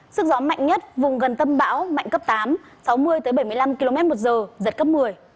sức gió mạnh nhất vùng gần tâm bão mạnh cấp tám sáu mươi bảy mươi năm km một giờ giật cấp một mươi